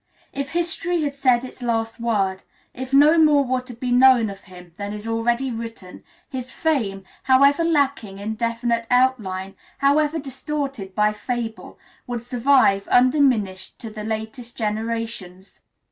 If history had said its last word, if no more were to be known of him than is already written, his fame, however lacking in definite outline, however distorted by fable, would survive undiminished to the latest generations.